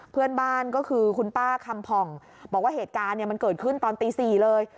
เพื่อนบ้านก็คือคุณป้าคำผ่องบอกว่าเหตุการณ์มันเกิดขึ้นตอนตี๔เลย